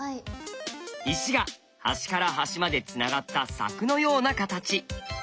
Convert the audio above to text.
石が端から端までつながった柵のような形。